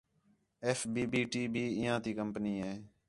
ایف بی-بی ٹی بھی اِنہیاں تی کمپنی ہے